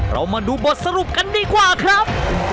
เรามาดูบทสรุปกันดีกว่าครับ